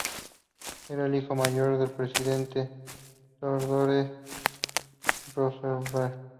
Era el hijo mayor del presidente Theodore Roosevelt.